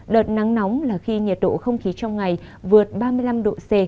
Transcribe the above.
đợt nắng nóng là khi nhiệt độ không khí trong ngày vượt ba mươi năm độ c